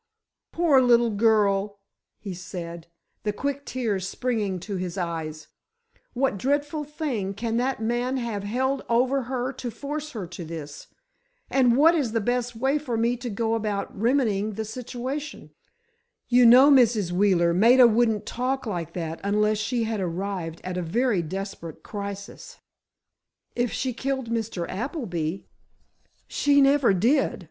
"Poor little girl," he said, the quick tears springing to his eyes; "what dreadful thing can that man have held over her to force her to this? And what is the best way for me to go about remedying the situation? You know, Mrs. Wheeler, Maida wouldn't talk like that unless she had arrived at a very desperate crisis——" "If she killed Mr. Appleby——" "She never did!